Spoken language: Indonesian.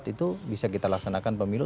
itu bisa kita laksanakan pemilu